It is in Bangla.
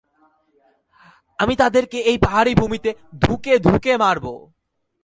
আমি তাদেরকে এই পাহাড়ি ভূমিতে ধুঁকে ধুঁকে মারব।